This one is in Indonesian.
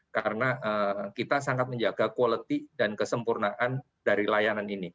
karena kita sangat menjaga kualitas dan kesempurnaan dari layanan ini